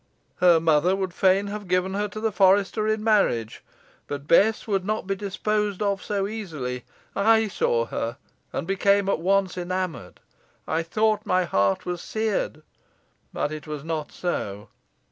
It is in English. Her mother would fain have given her to the forester in marriage, but Bess would not be disposed of so easily. I saw her, and became at once enamoured. I thought my heart was seared; but it was not so.